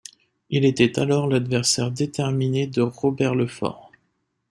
Il était alors l'adversaire déterminé de Robert le Fort.